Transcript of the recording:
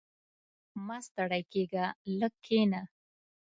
• مه ستړی کېږه، لږ کښېنه.